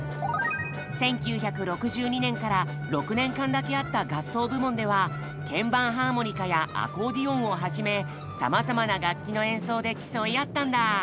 １９６２年から６年間だけあった合奏部門では鍵盤ハーモニカやアコーディオンをはじめさまざまな楽器の演奏で競い合ったんだ。